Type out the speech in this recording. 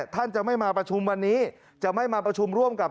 ท่านจะไม่มาประชุมวันนี้จะไม่มาประชุมร่วมกับ